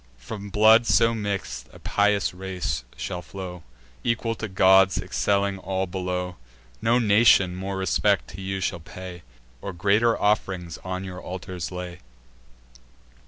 From blood so mix'd, a pious race shall flow, Equal to gods, excelling all below. No nation more respect to you shall pay, Or greater off'rings on your altars lay."